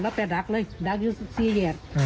แล้วไปดักเลยดักอยู่สี่แยด